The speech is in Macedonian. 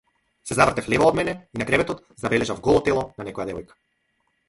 Се завртев лево од мене и на креветот забележав голо тело на некоја девојка.